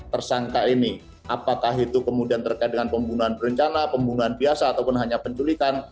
tersangka ini apakah itu kemudian terkait dengan pembunuhan berencana pembunuhan biasa ataupun hanya penculikan